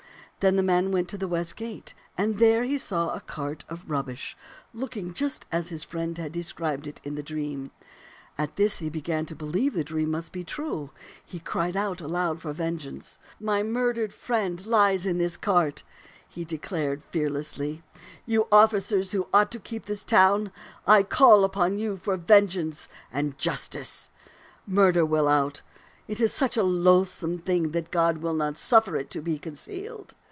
Then the man went to the west gate, and there he saw a cart of rubbish looking just as his friend had described it in the dream. At this he began to believe the dream must be true. He cried aloud for vengeance. * My ^^e (Ttun'0 ^vmt'0 'tak 93 murdered friend lies in this cart !' he declared fear lessly. * You officers who ought to keep this town, I call upon you for vengeance and justice.' Murder will out. It is such a loathsome thing that God will not suf fer it to be concealed.